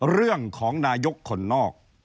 เรื่องของนายกคนนอก